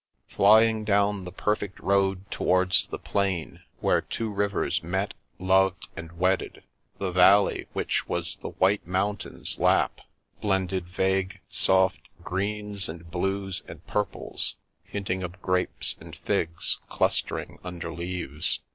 Flying down the perfect road towards the plain where two rivers met, loved, and wedded, the valley which was the white mountain's lap blended vague, soft greens and blues and purples, hinting of grapes and figs clustering under leaves.